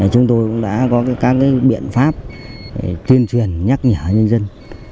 chúng tôi cũng đã có các biện pháp tuyên truyền nhắc nhở nhân dân